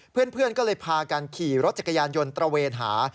เพื่อนก็เลยพากันขี่รถจักรยานยนต์ตระเวนหา